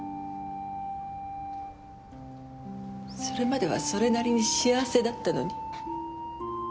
それまではそれなりに幸せだったのに。